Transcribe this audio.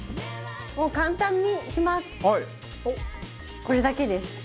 これだけです。